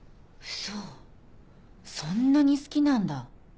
そんなに好きなんだ書道。